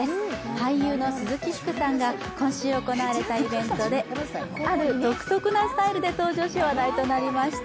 俳優の鈴木福さんが今週行われたイベントである独特なスタイルで登場し話題となりました。